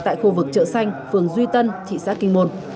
tại khu vực chợ xanh phường duy tân thị xã kinh môn